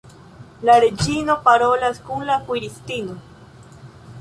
La reĝino parolas kun la kuiristino.